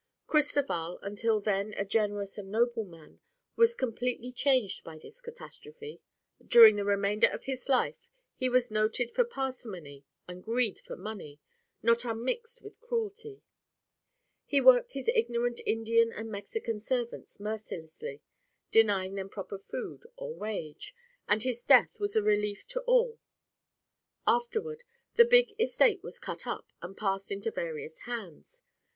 Cristoval, until then a generous and noble man, was completely changed by this catastrophe. During the remainder of his life he was noted for parsimony and greed for money, not unmixed with cruelty. He worked his ignorant Indian and Mexican servants mercilessly, denying them proper food or wage, and his death was a relief to all. Afterward the big estate was cut up and passed into various hands.